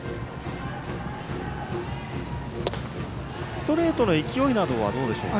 ストレートの勢いなどはどうでしょうか。